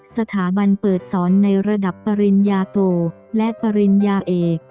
สถาบันเปิดสอนในระดับปริญญาโตและปริญญาเอก